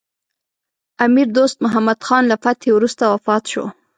امیر دوست محمد خان له فتحې وروسته وفات شو.